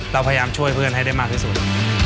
เราพยายามช่วยเพื่อนให้ได้มากที่สุด